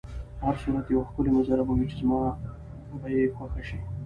په هر صورت یوه ښکلې منظره به وي چې زما به یې خوښه شي.